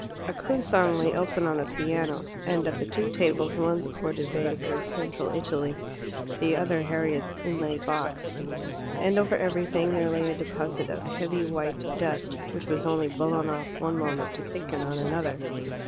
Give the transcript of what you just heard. A coon song lay open on the piano, and of the two tables one supported Baedeker's "Central Italy," the other Harriet's inlaid box. And over everything there lay a deposit of heavy white dust, which was only blown off one moment to thicken on another.